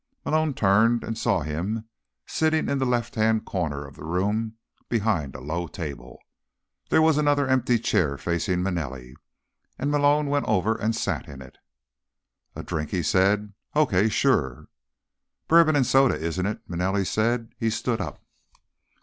Malone turned and saw him, sitting in the left hand corner of the room behind a low table. There was another empty chair facing Manelli, and Malone went over and sat in it. "A drink?" he said. "Okay. Sure." "Bourbon and soda, isn't it?" Manelli said. He stood up.